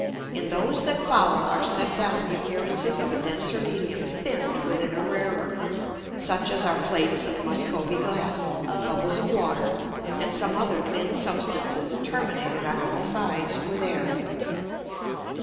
In those that follow are set down the Appearances of a denser Medium thin'd within a rarer, such as are Plates of Muscovy Glass, Bubbles of Water, and some other thin Substances terminated on all sides with air.